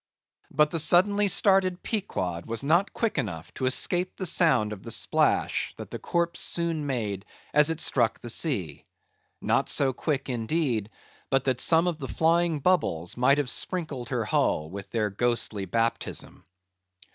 But the suddenly started Pequod was not quick enough to escape the sound of the splash that the corpse soon made as it struck the sea; not so quick, indeed, but that some of the flying bubbles might have sprinkled her hull with their ghostly baptism.